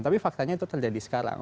tapi faktanya itu terjadi sekarang